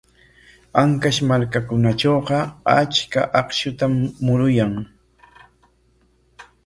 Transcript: Ancash markakunatrawqa achka akshutam muruyan.